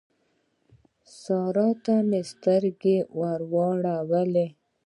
سارا ته مې سترګې ور واړولې.